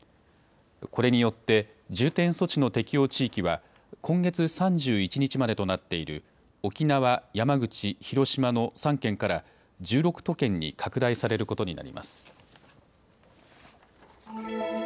これによって重点措置の適用地域は今月３１日までとなっている沖縄、山口、広島の３県から１６都県に拡大されることになります。